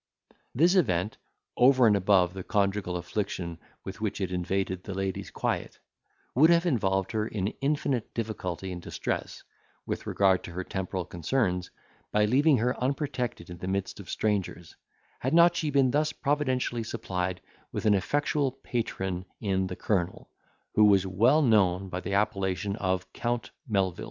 This event, over and above the conjugal affliction with which it invaded the lady's quiet, would have involved her in infinite difficulty and distress, with regard to her temporal concerns, by leaving her unprotected in the midst of strangers, had not she been thus providentially supplied with an effectual patron in the colonel, who was known by the appellation of Count Melvil.